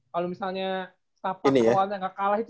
kalau misalnya staff part kekuatan gak kalah itu